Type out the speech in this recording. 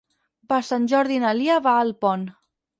Per Sant Jordi na Lia va a Alpont.